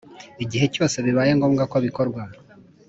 igihe cyose bibaye ngombwa ko bikorwa